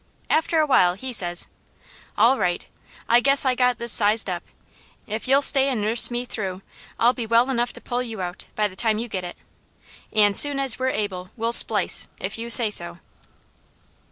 After a while he says, 'All right! I guess I got this sized up. If you'll stay an' nuss me through, I'll be well enough to pull you out, by the time you get it, an' soon as you're able we'll splice, if you say so.'